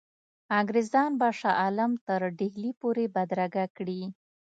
انګرېزان به شاه عالم تر ډهلي پوري بدرګه کړي.